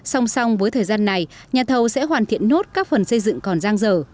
song song với thời gian này nhà thầu sẽ hoàn thiện nốt các phần xây dựng còn giang dở